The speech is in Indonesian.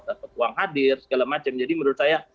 dapat uang hadir segala macam jadi menurut saya